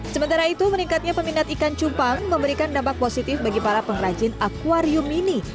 sementara itu meningkatnya peminat ikan cupang memberikan dampak positif bagi para pengrajin akwarium ini